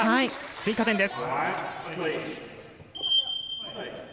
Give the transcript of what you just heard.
追加点です。